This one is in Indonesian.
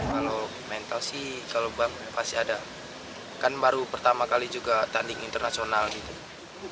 menurut penonton penonton yang menarik adalah penonton yang menarik